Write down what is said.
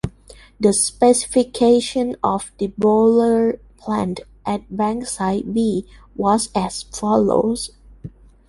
The specification of the boiler plant at Bankside B was as follows.